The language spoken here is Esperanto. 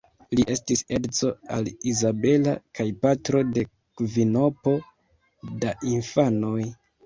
Li estis edzo al Izabela kaj patro de kvinopo da infanoj.